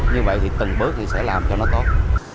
như vậy thì từng bước thì sẽ làm cho nó tốt